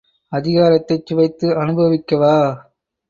அதிகாரத்தைச் சுவைத்து அனுபவிக்கவா?